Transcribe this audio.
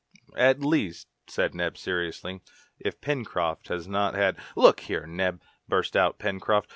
"At least," said Neb seriously, "if Pencroft has not had " "Look here, Neb," burst out Pencroft.